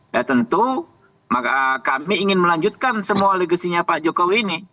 ya tentu kami ingin melanjutkan semua legasinya pak jokowi ini